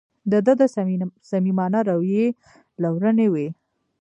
د ده د صمیمانه رویې لورونې وې.